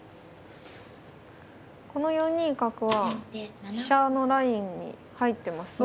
この４二角は飛車のラインに入ってますね。